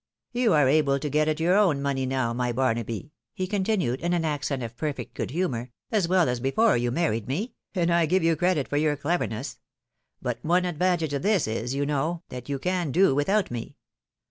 You are able to get at your own money now, my Bar naby," he continued, in an accent of perfect good humour, " as well as before you married me, and I give you credit for your cleverness ; but one advantage of this is, you know, that you can do without me.